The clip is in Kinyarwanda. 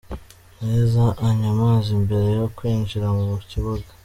Neza anywa amazi mbere yo kwinjira mu kibuga.